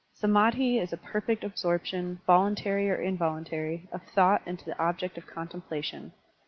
SamMhi is a per fect absorption, voltmtary or involuntary, of thought into the object of contemplation.